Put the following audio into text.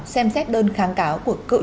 xem xét đơn kháng cáo của cựu chủ